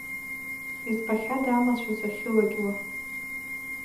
Избахьада амацәыс ахьылакьуа.